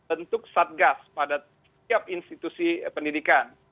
untuk satgas pada setiap institusi pendidikan